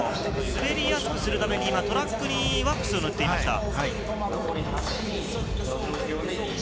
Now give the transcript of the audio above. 滑りやすくするためにトラップにワックスを塗っていました。